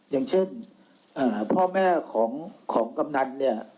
อย่างเช่นพ่อแม่ของกำนันเนี่ย